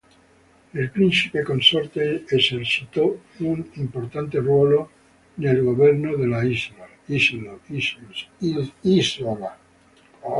Il principe consorte esercitò un importante ruolo nel governo dell'isola.